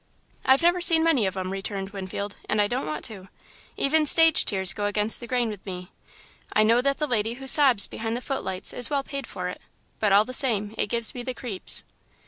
"I've never seen many of'em," returned Winfield, "and I don't want to. Even stage tears go against the grain with me. I know that the lady who sobs behind the footlights is well paid for it, but all the same, it gives me the creeps."